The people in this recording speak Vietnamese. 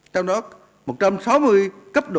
trong đó một trăm sáu mươi cấp độ